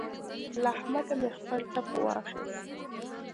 له احمده مې خپل ټپ واخيست.